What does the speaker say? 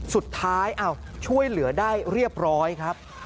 สุดท้ายช่วยเหลือได้เรียบร้อยครับ